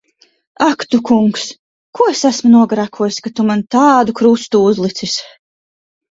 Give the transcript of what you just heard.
Ak tu Kungs! Ko es esmu nogrēkojusi, ka tu man tādu krustu uzlicis!